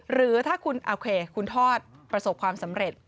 หรือถ้าคุณทอดประสบความสำเร็จ